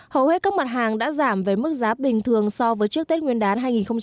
hầu hết các mặt hàng đã giảm với mức giá bình thường so với trước tết nguyên đán hai nghìn một mươi tám